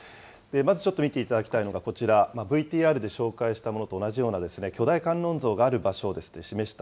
まずちょっと見ていただきたいのがこちら、ＶＴＲで紹介したものと同じような巨大観音像がある場所を示した